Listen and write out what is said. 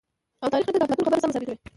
او تاريخ راته د اپلاتون خبره سمه ثابته وي،